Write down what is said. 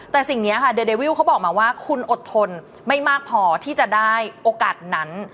แต่สิ่งนี้ค่ะเดเดวิลเขาบอกมาว่าคุณอดทนไม่มากพอที่จะได้โอกาสนั้น